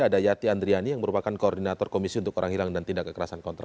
ada yati andriani yang merupakan koordinator komisi untuk orang hilang dan tindak kekerasan kontra